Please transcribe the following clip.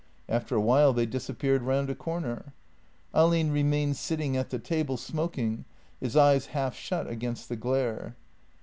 After a while they disappeared round a comer. Ahlin re mained sitting at the table smoking, his eyes half shut against the glare.